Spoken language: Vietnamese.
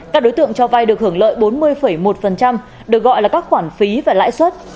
các đối tượng cho vay được hưởng lợi bốn mươi một được gọi là các khoản phí và lãi suất